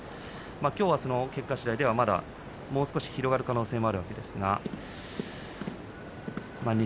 きょうの結果しだいではもう少し広がる可能性もあるんですが錦